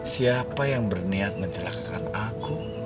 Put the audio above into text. siapa yang berniat mencelakakan aku